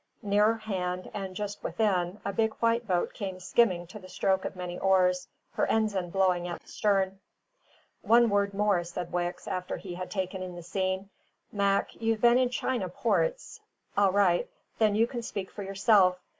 Nearer hand, and just within, a big white boat came skimming to the stroke of many oars, her ensign blowing at the stern. "One word more," said Wicks, after he had taken in the scene. "Mac, you've been in China ports? All right; then you can speak for yourself.